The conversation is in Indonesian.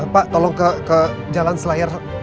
pak tolong ke jalan selayar